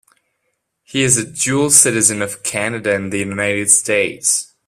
He is a dual citizen of Canada and the United States.